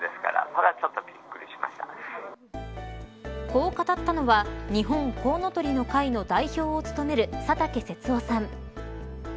こう語ったのは日本コウノトリの会の代表を務める佐竹節夫さん。